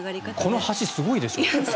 この橋、すごいでしょ。